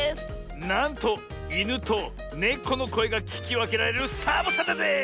なんといぬとねこのこえがききわけられるサボさんだぜえ！